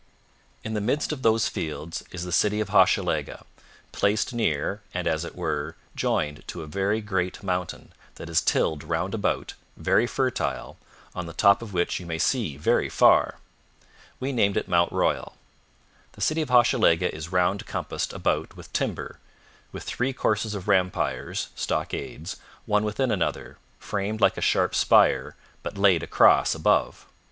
In the midst of those fields is the city of Hochelaga, placed near and, as it were, joined to a very great mountain, that is tilled round about, very fertile, on the top of which you may see very far. We named it Mount Royal. The city of Hochelaga is round compassed about with timber, with three courses of rampires [stockades], one within another, framed like a sharp spire, but laid across above.